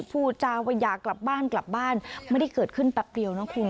พูดว่าอยากกลับบ้านไม่ได้เกิดขึ้นแป๊บเดียวนะคุณ